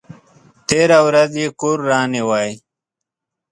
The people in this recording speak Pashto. تېره ورځ یې کور رانیوی!